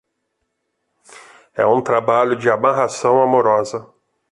É um trabalho de amarração amorosa